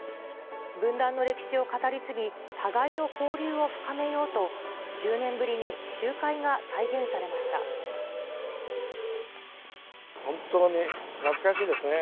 分断の歴史を語り継ぎ、互いの交流を深めようと、１０年ぶりに集本当に懐かしいですね。